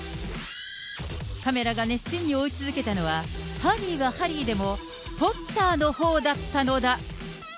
カメラが熱心に追い続けたのは、ハリーはハリーでも、ポッターのほうだったのだ。